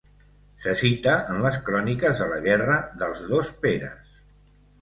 Se cita en les cròniques de la guerra dels Dos Peres.